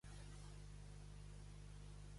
Les festes has de guardar i a ton pare i mare honrar.